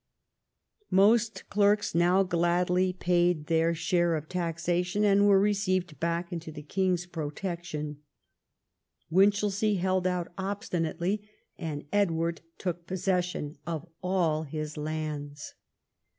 Most clerks now gladly paid their XI THE YEARS OF CRISIS 193 share of taxation, and were received back into the king's protection. Winchelsea held out obstinately, and Edward took possession of all his lands.